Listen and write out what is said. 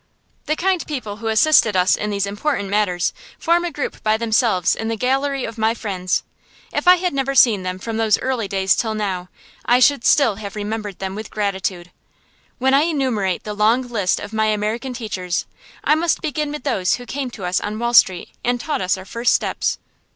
The kind people who assisted us in these important matters form a group by themselves in the gallery of my friends. If I had never seen them from those early days till now, I should still have remembered them with gratitude. When I enumerate the long list of my American teachers, I must begin with those who came to us on Wall Street and taught us our first steps.